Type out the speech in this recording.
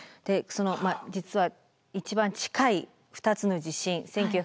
で実は一番近い２つの地震